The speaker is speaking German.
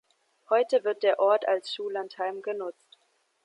Heute wird der Ort als Schullandheim genutzt.